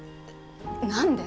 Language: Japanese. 何で？